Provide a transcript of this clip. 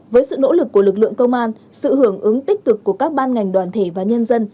với sự nỗ lực của lực lượng công an sự hưởng ứng tích cực của các ban ngành đoàn thể và nhân dân